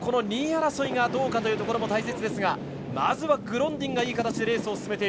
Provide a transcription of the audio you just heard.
２位争いがどうかというところも大切ですがまずはグロンディンがいい形。